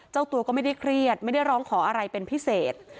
เจ้าตัวก็ไม่ได้เครียดไม่ได้ร้องขออะไรเป็นพิเศษ